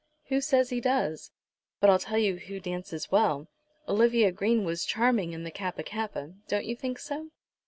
"Who says he does? But I'll tell you who dances well. Olivia Green was charming in the Kappa kappa. Don't you think so?"